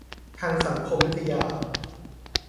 ทางสังคมวิทยา